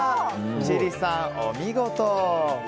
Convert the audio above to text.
千里さん、お見事。